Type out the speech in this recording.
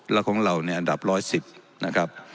และของเราอันดับ๑๑๐